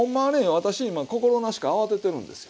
私今心なしか慌ててるんですよ。